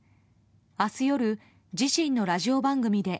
明日夜、自身のラジオ番組で